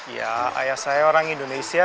ya ayah saya orang indonesia